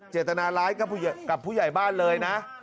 เจตนาร้ายกับผู้ใหญ่บ้านเลยนะ